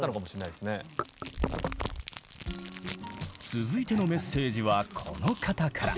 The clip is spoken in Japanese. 続いてのメッセージはこの方から。